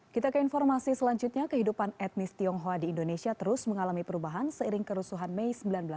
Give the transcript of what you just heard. kita ke informasi selanjutnya kehidupan etnis tionghoa di indonesia terus mengalami perubahan seiring kerusuhan mei seribu sembilan ratus enam puluh